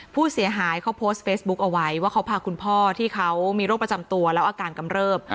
ผู้เสียหายเขาโพสต์เฟซบุ๊คเอาไว้ว่าเขาพาคุณพ่อที่เขามีโรคประจำตัวแล้วอาการกำเริบ